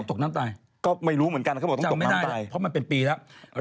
จังไม่ได้เพราะมันเป็นปีแล้ว